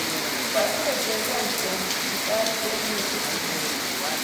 matigochezan Tom kitait eng kenyishiek chechang